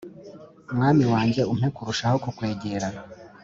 mwami wanjye umpe kurushaho kukwegera